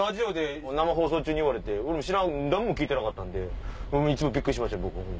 生放送中に言われて何も聞いてなかったんで一番ビックリしました僕。